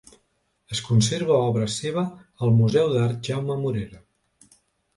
Es conserva obra seva al Museu d'Art Jaume Morera.